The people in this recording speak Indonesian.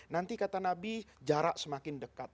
nanti kata nabi jarak semakin dekat